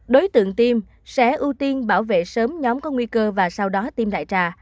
đối tượng tiêm sẽ ưu tiên bảo vệ sớm nhóm có nguy cơ và sau đó tiêm đại trà